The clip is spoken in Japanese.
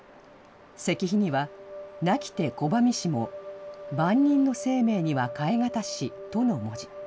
石碑には、泣きて拒みしも万人の生命には替えがたしの文字。